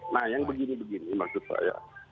nah yang begini begini maksud saya